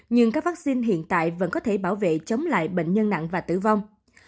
nhưng các vaccine hiện tại vẫn có thể bảo vệ chống lại bệnh nhân nặng và tử vong